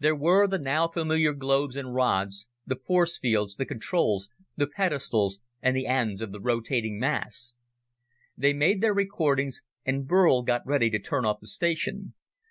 There were the now familiar globes and rods, the force fields, the controls, the pedestals and the ends of the rotating masts. They made their recordings, and Burl got ready to turn off the station.